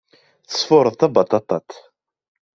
Tesfuṛ-d tabaṭaṭat.